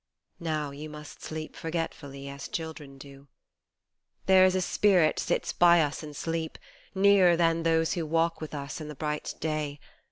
Now you must sleep forgetfully, as children do. There is a Spirit sits by us in sleep Nearer than those who walk with us in the bright day.